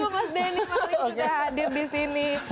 mas denny paling suka hadir disini